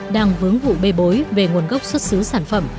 đang vướng vụ bê bối về nguồn gốc xuất xứ sản phẩm